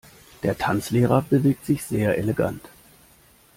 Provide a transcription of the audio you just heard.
Der Tanzlehrer bewegt sich sehr elegant.